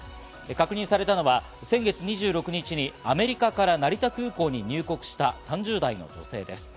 確認されたのは先月２６日にアメリカから成田空港に入国した３０代の女性です。